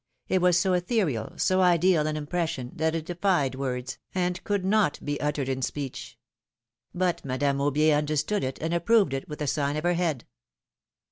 It was so ethereal, so ideal an impression. philombne's maeriages. 189 that it defied words, and could not be uttered in speech ; but Madame Aubier understood it, and approved it with a sign of her head.